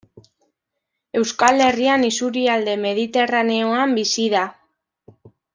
Euskal Herrian isurialde mediterraneoan bizi da.